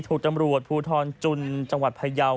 ถูกตำรวจภูทรจุนจังหวัดพยาว